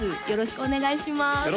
よろしくお願いします